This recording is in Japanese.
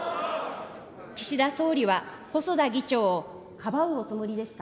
岸田総理は細田議長をかばうおつもりですか。